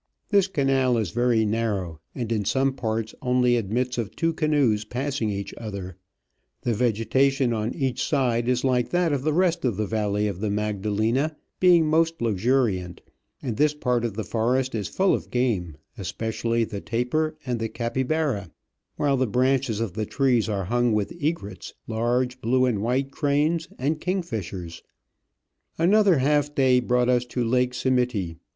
This canal is very narrow, and in some parts only admits of two canoes passing each other; the vegetation on each side is like that of the rest of the valley of the Magdalena, being most luxuriant, and this part of the forest is full of game, especially the tapir and the capibara, while the branches of the trees are hung with egrets, large blue and white cranes, and kingfishers. Another half day brought us to Lake Simiti.